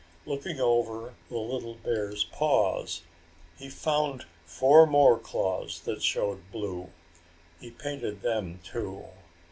Looking over the little bear's paws he found four more claws that showed blue. He painted them, too.